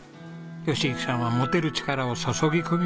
喜行さんは持てる力を注ぎ込みました。